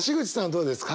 どうですか？